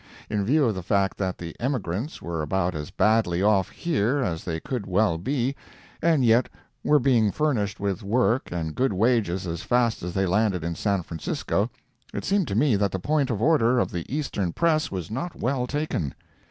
In view of the fact that the emigrants were about as badly off here, as they could well be, and yet were being furnished with work and good wages as fast as they landed in San Francisco, it seemed to me that the point of order of the Eastern press was not well taken.